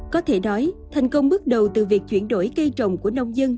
có thể nói thành công bước đầu từ việc chuyển đổi cây trồng của nông dân